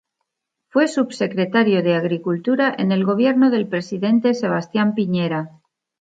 Fue subsecretario de Agricultura en el gobierno del presidente Sebastián Piñera.